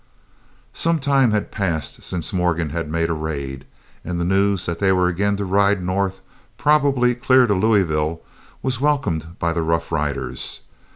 Some time had passed since Morgan had made a raid, and the news that they were again to ride north, probably clear to Louisville, was welcomed by the rough riders.